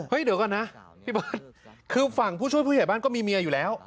เดี๋ยวก่อนนะพี่เบิร์ตคือฝั่งผู้ช่วยผู้ใหญ่บ้านก็มีเมียอยู่แล้ว